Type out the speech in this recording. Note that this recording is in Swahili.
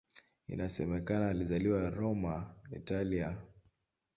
Inasemekana alizaliwa Roma, Italia.